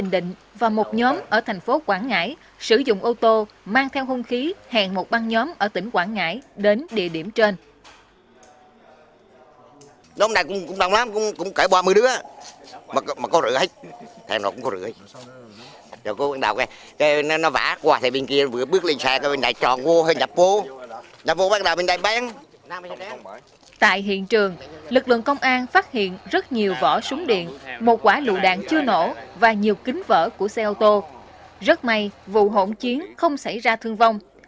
rất may vụ hỗn chiến không xảy ra thương vong